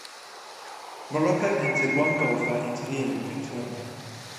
Morocco entered one golfer into the Olympic tournament.